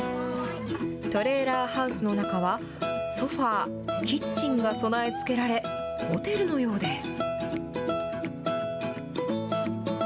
トレーラーハウスの中は、ソファ、キッチンが備え付けられ、ホテルのようです。